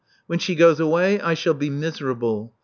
When she goes away, I shall be miserable.